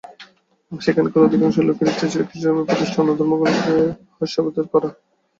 সেখানকার অধিকাংশ লোকের ইচ্ছা ছিল খ্রীষ্টধর্মের প্রতিষঠা এবং অন্যান্য ধর্মগুলিকে হাস্যাস্পদ করা।